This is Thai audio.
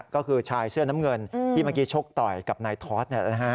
ก็คือชายเสื้อน้ำเงินที่เมื่อกี้ชกต่อยกับนายทอส